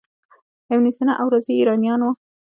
ابن سینا او رازي ایرانیان وو.